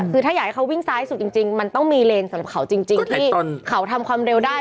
คือถ้าอยากให้เขาวิ่งซ้ายสุดจริงมันต้องมีเลนสำหรับเขาจริงที่เขาทำความเร็วได้